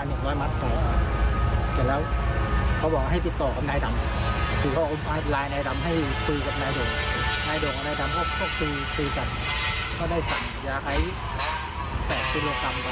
ผมคิดว่าพี่ชายนายดุงครับนายดำเนี่ย